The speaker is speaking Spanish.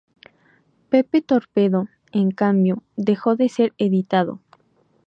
Pepe Torpedo, en cambio, dejó de ser editado.